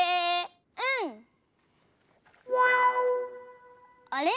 うん。あれ？